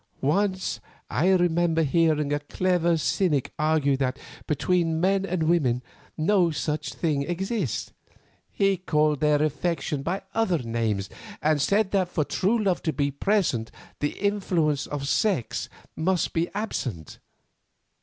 Once I remember hearing a clever cynic argue that between men and women no such thing exists. He called their affection by other names, and said that for true love to be present the influence of sex must be absent.